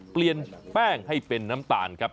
เปลี่ยนแป้งให้เป็นน้ำตาลครับ